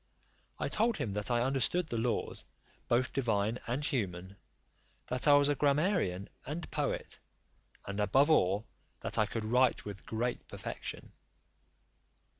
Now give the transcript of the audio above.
I told him that I understood the laws, both divine and human; that I was a grammarian and poet; and above all, that I could write with great perfection.